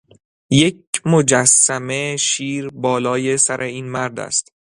یک مجسمه شیر بالای سر این مرد است.